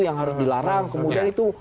yang harus dilarang kemudian itu